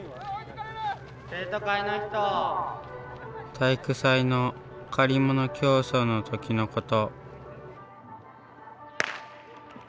体育祭の借り物競走の時のこと。